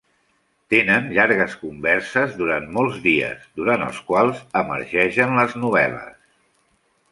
Tenen llargues converses durant molts dies, durant els quals emergeixen les novel·les.